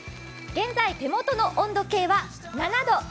現在、手元の温度計は７度。